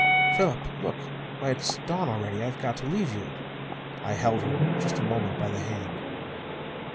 "Philip! Look! Why, it's dawn already. I've got to leave you." I held her just a moment by the hand.